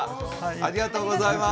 ありがとうございます。